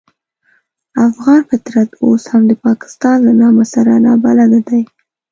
افغان فطرت اوس هم د پاکستان له نامه سره نابلده دی.